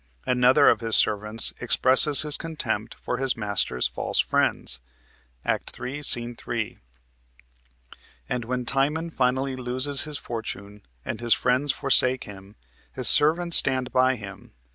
Another of his servants expresses his contempt for his master's false friends (Act 3, Sc. 3), and when Timon finally loses his fortune and his friends forsake him, his servants stand by him.